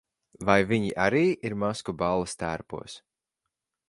Vai viņi arī ir maskuballes tērpos?